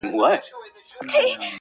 زر له مسو څخه باسې جادو ګر یې،